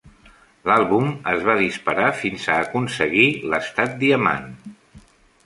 L'àlbum es va disparar fins a aconseguir l'estat Diamant.